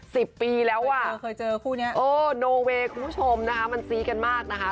สิบปีแล้วอ่ะเคยเจอคู่เนี้ยเออโนเวย์คุณผู้ชมนะคะมันซี้กันมากนะคะ